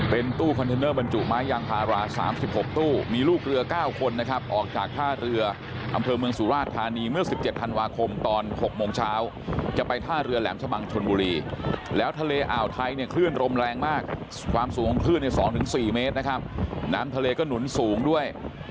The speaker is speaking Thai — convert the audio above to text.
เป็นตู้คอนเทนเนอร์บรรจุไม้ยางพารา๓๖ตู้มีลูกเรือ๙คนนะครับออกจากท่าเรืออำเภอเมืองสุราชธานีเมื่อ๑๗ธันวาคมตอน๖โมงเช้าจะไปท่าเรือแหลมชะบังชนบุรีแล้วทะเลอ่าวไทยเนี่ยคลื่นลมแรงมากความสูงของคลื่นใน๒๔เมตรนะครับน้ำทะเลก็หนุนสูงด้วย